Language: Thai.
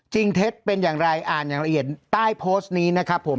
เท็จเป็นอย่างไรอ่านอย่างละเอียดใต้โพสต์นี้นะครับผม